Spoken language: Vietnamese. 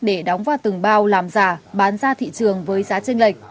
để đóng vào từng bao làm giả bán ra thị trường với giá tranh lệch